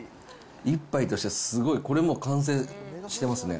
一杯としてすごい、これもう完成してますね。